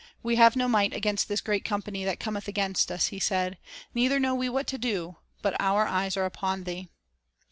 "We have no might against this great company that cometh against us," he said; "neither know we what to do; but our eyes are upon Thee."